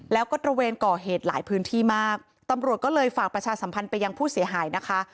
แล้วก็ตระเวนก่อเหตุหลายพื้นที่มากตำรวจก็เลยฝากประชาสัมพันธ์ไปยังผู้เสียหายนะคะ